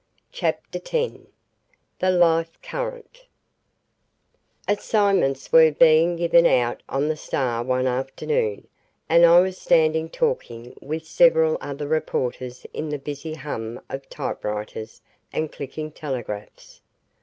CHAPTER X THE LIFE CURRENT Assignments were being given out on the Star one afternoon, and I was standing talking with several other reporter in the busy hum of typewriters and clicking telegraphs.